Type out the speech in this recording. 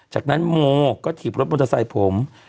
จากนั้นโมก็ถีบรถมอเตอร์ไซค์ผม